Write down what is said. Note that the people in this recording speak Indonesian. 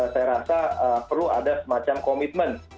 saya rasa perlu ada semacam komitmen